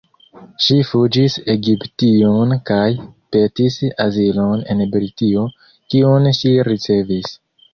Ŝi fuĝis Egiption kaj petis azilon en Britio, kiun ŝi ricevis.